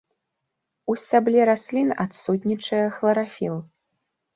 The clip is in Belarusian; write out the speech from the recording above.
У сцябле раслін адсутнічае хларафіл.